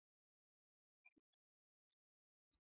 ọgwụike cannabis sativa e kechisiri n'àkpà